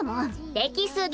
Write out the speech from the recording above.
できすぎ！